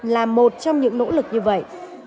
là một trong những nỗ lực như vậy